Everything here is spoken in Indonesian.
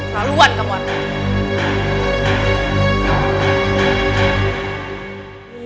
kelaluan kamu arta